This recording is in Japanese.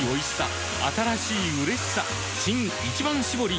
新「一番搾り」